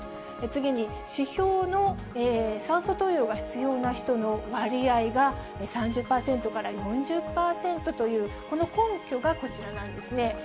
次に、指標の酸素投与が必要な人の割合が、３０％から４０％というこの根拠がこちらなんですね。